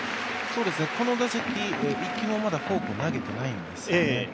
この打席、１球もまだフォークを投げてないんですよね。